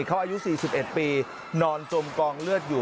เขาอายุ๔๑ปีนอนจมกองเลือดอยู่